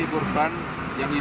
itu korbannya sendiri